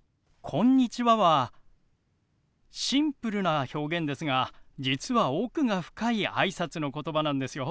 「こんにちは」はシンプルな表現ですが実は奥が深いあいさつの言葉なんですよ。